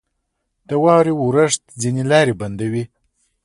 • د واورې اورښت ځینې لارې بندوي.